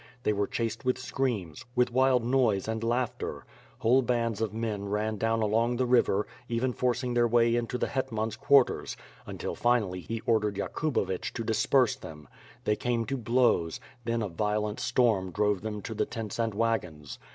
They were chased with screams, with wild noise and laughter. Whole bands of men ran down along the river, even forcing their way into the hetman's quarters; until finally he ordered Yakubovich to disperse 332 WITH FIRE AND SWORD. them. They came to blows, then a violent storm drove them to the tents and wagons.